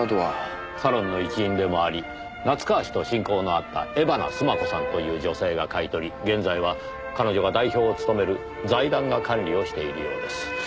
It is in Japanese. サロンの一員でもあり夏河氏と親交のあった江花須磨子さんという女性が買い取り現在は彼女が代表を務める財団が管理をしているようです。